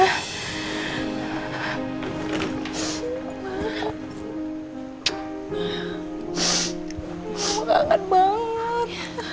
mama kangen banget